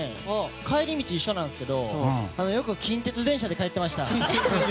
帰り道が一緒なんですけどよく近鉄電車で帰ってました。